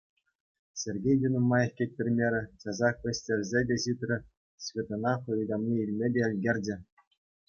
Сергей те нумаях кӗттермерӗ, часах вӗҫтерсе те ҫитрӗ, Светӑна хӑй ытамне илме те ӗлкӗрчӗ.